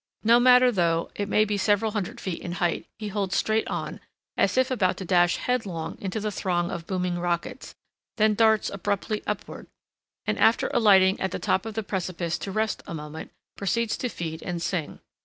No matter though it may be several hundred feet in height he holds straight on, as if about to dash headlong into the throng of booming rockets, then darts abruptly upward, and, after alighting at the top of the precipice to rest a moment, proceeds to feed and sing.